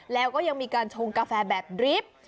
แล้วก็ยังมีการชงกาแฟแบบดริฟท์